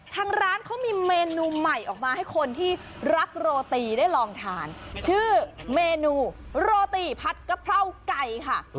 ทางร้านเขามีเมนูใหม่ออกมาให้คนที่รักโรตีได้ลองทานชื่อเมนูโรตีผัดกะเพราไก่ค่ะ